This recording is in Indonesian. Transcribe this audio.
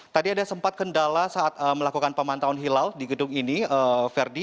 tadi ada sempat kendala saat melakukan pemantauan hilal di gedung ini verdi